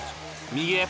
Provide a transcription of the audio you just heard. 右へ。